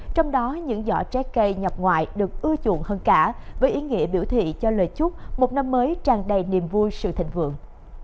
trong đó những giỏ trái cây nhập ngoại được ưa chuộng hơn cả với ý nghĩa biểu thị cho lời chúc một năm mới tràn đầy niềm vui sự thịnh vượng